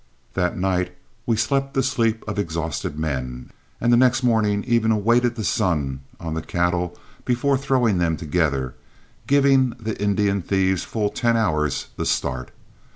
That night we slept the sleep of exhausted men, and the next morning even awaited the sun on the cattle before throwing them together, giving the Indian thieves full ten hours the start.